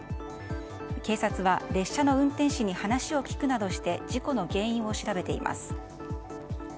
警察は列車の運転士に話を聞くなどして事故の原因を調べています。